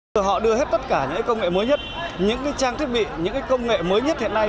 rồi họ đưa hết tất cả những công nghệ mới nhất những trang thiết bị những công nghệ mới nhất hiện nay